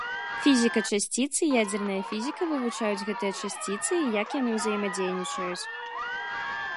Фізіка часціц і ядзерная фізіка вывучаюць гэтыя часціцы і як яны ўзаемадзейнічаюць.